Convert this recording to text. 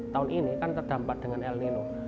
tahun ini kan terdampak dengan el nino